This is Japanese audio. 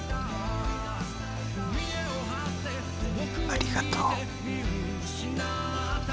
ありがとう。